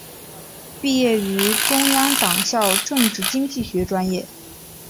毕业于中央党校政治经济学专业。